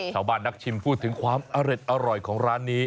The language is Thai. นักชิมพูดถึงความอร่อยของร้านนี้